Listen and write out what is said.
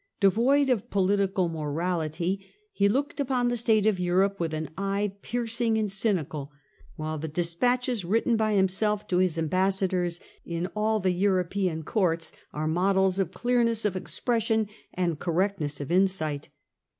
Devoid of political morality, he looked upon the state of Europe with an eye piercing and cynical, while the despatches written by himself to his ambassadors in all the European courts are models of clearness of expression and correctness of insight.